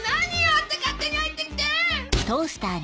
あんた勝手に入ってきて！